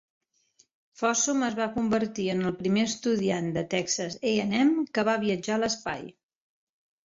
Fossum es va convertir en el primer estudiant de Texas A and M que va viatjar a l'espai.